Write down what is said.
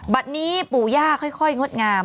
บัตรนี้ปู่ย่าค่อยงดงาม